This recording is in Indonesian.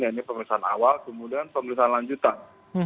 yaitu pemeriksaan awal kemudian pemeriksaan lanjutan